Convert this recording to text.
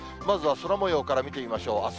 まずは空もようから見てみましょう。